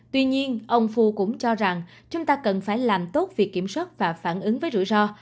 tuy nhiên ông fu cũng cho rằng chúng ta cần phải làm tốt việc kiểm soát và phản ứng với rủi ro